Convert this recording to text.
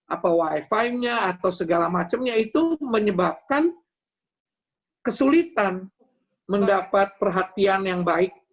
apa wifi nya atau segala macamnya itu menyebabkan kesulitan mendapat perhatian yang baik